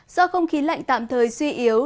do không khí lạnh tạm thời suy yếu